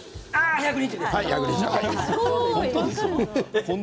１２０です。